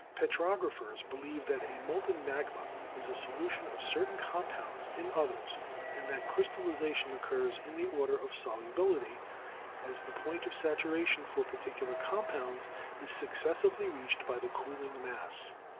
Petrographers believe that a molten magma is a solution of certain com pounds in others, and that crystallization occurs in the order of solubility, as the point of saturation for particu lar compounds is successively reached by the cooling mass.